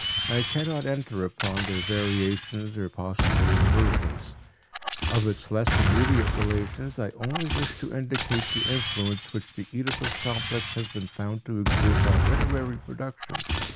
I cannot enter upon their variations or possible inversions. Of its less immediate relations I only wish to indicate the influence which the Oedipus complex has been found to exert on literary production.